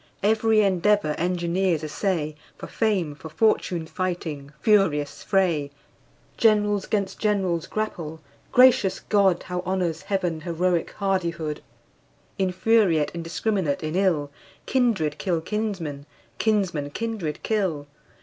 Every endeavor engineers essay, For fame, for fortune fighting furious fray! Generals 'gainst generals grapple gracious God! How honors Heaven heroic hardihood! Infuriate, indiscrminate in ill, Kindred kill kinsmen, kinsmen kindred kill.